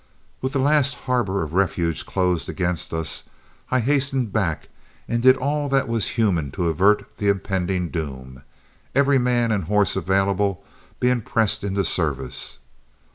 With the last harbor of refuge closed against us, I hastened back and did all that was human to avert the impending doom, every man and horse available being pressed into service.